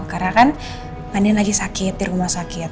karena kan andin lagi sakit di rumah sakit